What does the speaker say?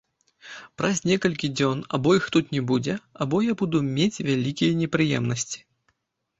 Праз некалькі дзён або іх тут не будзе, або я буду мець вялікія непрыемнасці.